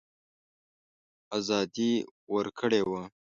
آزادي ورکړې وه.